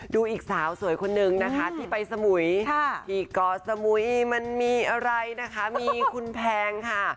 ดูอีกสาวสวยคนนึงนะคะที่ไปสมุยที่ก่อสมุยมันมีอะไรนะคะมีคุณแพงค่ะ